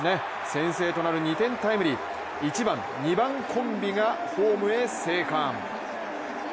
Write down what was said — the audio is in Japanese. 先制となる２点タイムリー１番・２番コンビがホームへ生還。